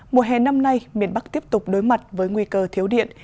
mùa hè năm nay miền bắc tiếp tục đối mặt với nguy cơ thiếu điện